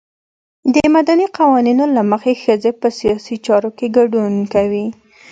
د مدني قوانینو له مخې ښځې په سیاسي چارو کې ګډون کوي.